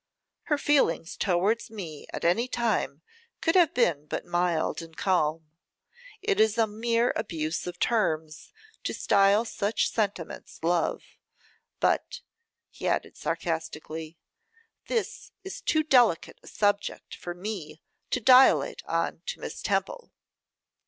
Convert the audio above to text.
Her feelings towards me at any time could have been but mild and calm. It is a mere abuse of terms to style such sentiments love. But,' added he sarcastically, 'this is too delicate a subject for me to dilate on to Miss Temple.